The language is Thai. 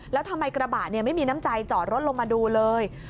แล้วทำไมกระบะไม่มีน้ำใจจอดรถลงมาดูเลย